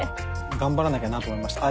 頑張らなきゃなと思いました。